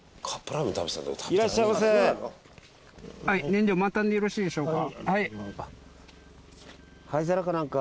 燃料満タンでよろしいでしょうか。